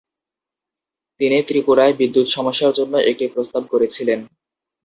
তিনি ত্রিপুরায় বিদ্যুৎ সমস্যার জন্য একটি প্রস্তাব করেছিলেন।